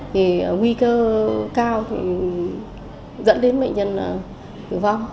thì nguy cơ cao dẫn đến bệnh nhân tử vong